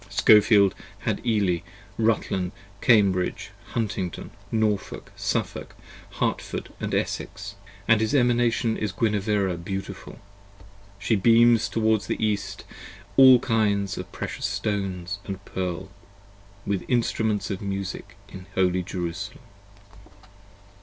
Skofeld had Ely, Rutland, Cambridge, Huntingdon, Norfolk, Suffolk, Hartford & Essex: & his Emanation is Gwinevera 40 Beautiful, she beams towards the east, all kinds of precious stones And pearl, with instruments of music in holy Jerusalem.